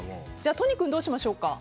都仁君、どうしましょうか。